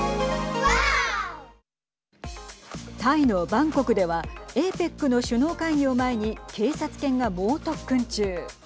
タイのバンコクではＡＰＥＣの首脳会議を前に警察犬が猛特訓中。